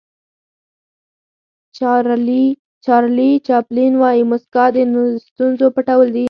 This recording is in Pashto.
چارلي چاپلین وایي موسکا د ستونزو پټول دي.